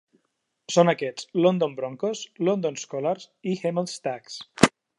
Són aquests, London Broncos, London Skolars i Hemel Stags.